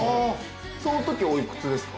そのときお幾つですか？